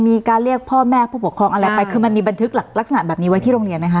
มีการเรียกพ่อแม่ผู้ปกครองอะไรไปคือมันมีบันทึกลักษณะแบบนี้ไว้ที่โรงเรียนไหมคะ